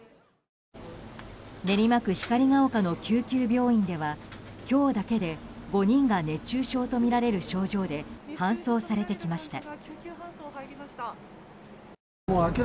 練馬区光が丘の救急病院では今日だけで５人が熱中症とみられる症状で搬送されてきました。